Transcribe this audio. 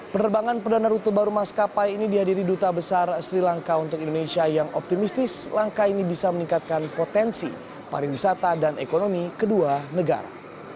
penerbangan perdana rute baru maskapai ini dihadiri duta besar sri lanka untuk indonesia yang optimistis langkah ini bisa meningkatkan potensi pariwisata dan ekonomi kedua negara